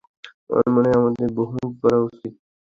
আমার মনে হয় আমাদের বহুমুখী করা উচিত।